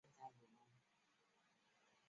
文昌航天发射场即位于龙楼镇境内。